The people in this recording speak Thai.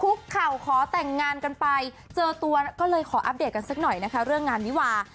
เข่าขอแต่งงานกันไปเจอตัวก็เลยขออัปเดตกันสักหน่อยนะคะเรื่องงานวิวา